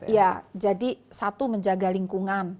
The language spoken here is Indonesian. ya jadi satu menjaga lingkungan